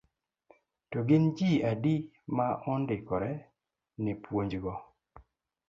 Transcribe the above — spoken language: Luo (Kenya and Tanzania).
To gin ji adi ma ondikore ne puonjgo.